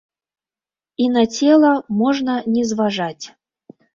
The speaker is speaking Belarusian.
І на цела можна не зважаць.